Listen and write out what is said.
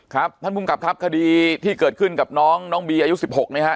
ครับท่านภูมิกับครับคดีที่เกิดขึ้นกับน้องน้องบีอายุ๑๖นะฮะ